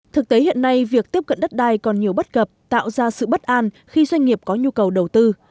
thực tế hiện nay việc tiếp cận đất đai còn nhiều bất cập tạo ra sự bất an khi doanh nghiệp có nhu cầu đầu tư